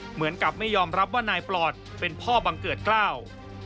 เหมือนกับไม่ยอมรับว่านายปลอดเป็นพ่อบังเกิดเกล้า